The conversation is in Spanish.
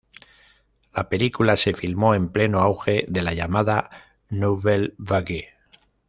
La película se filmó en pleno auge de la llamada "nouvelle vague".